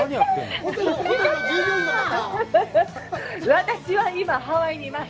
私は今、ハワイにいます！